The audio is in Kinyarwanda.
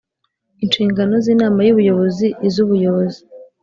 inshingano z Inama y Ubuyobozi iz Ubuyobozi